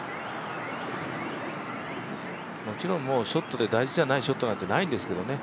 もちろんショットで大事じゃないショットなんてないんですけどね。